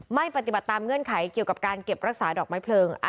ไม่ปฏิบัติตามเงื่อนไขเกี่ยวกับการเก็บรักษาดอกไม้เพลิง